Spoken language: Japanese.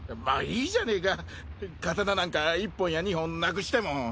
まあいいじゃねえか刀なんか１本や２本なくしても。